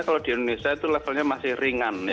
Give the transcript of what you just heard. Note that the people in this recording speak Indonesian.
kalau di indonesia itu levelnya masih ringan